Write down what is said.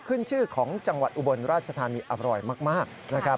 ขึ้นชื่อของจังหวัดอุบลราชธานีอร่อยมากนะครับ